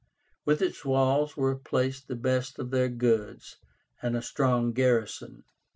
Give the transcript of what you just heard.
Within its walls were placed the best of their goods and a strong garrison.